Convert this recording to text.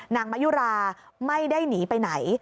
นางมะยุราไม่ได้หนีไปไหน